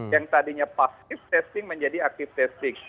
yang tadinya pasif testing menjadi aktif testing